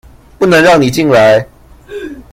不能讓你進來